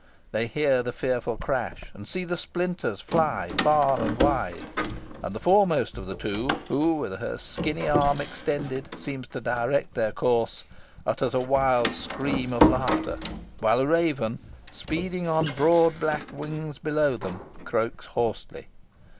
They hear the fearful crash, and see the splinters fly far and wide; and the foremost of the two, who, with her skinny arm extended, seems to direct their course, utters a wild scream of laughter, while a raven, speeding on broad black wing before them, croaks hoarsely.